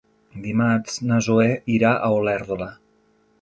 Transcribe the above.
Dimarts na Zoè irà a Olèrdola.